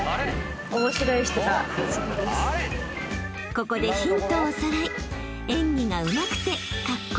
［ここでヒントをおさらい］